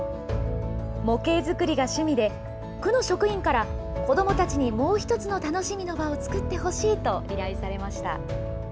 模型作りが趣味で、区の職員から、子どもたちにもう一つの楽しみの場を作ってほしいと依頼されました。